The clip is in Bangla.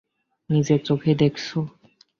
নিজের চোখেই দেখেছো।